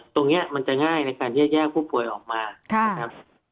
ตรงนี้มันจะง่ายในการแยกผู้ป่วยออกมานะครับ